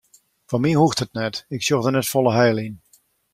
Foar my hoecht it net, ik sjoch der net folle heil yn.